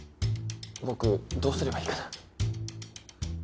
僕どうすればいいかな？